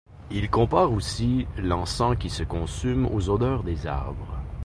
Il compare aussi l'encens qui se consume aux odeurs des arbres.